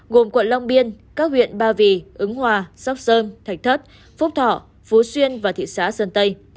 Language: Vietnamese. gồm quận long biên các huyện ba vì ứng hòa sóc sơn thạch thất phúc thọ phú xuyên và thị xã sơn tây